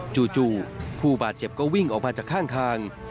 จู่ผู้บาดเจ็บก็วิ่งออกมาจากข้างทาง